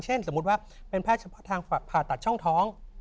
สมมุติว่าเป็นแพทย์เฉพาะทางผ่าตัดช่องท้อง